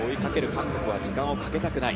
韓国は時間をかけたくない。